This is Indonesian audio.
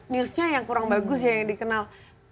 newsnya yang kurang bagus ya yang dikenal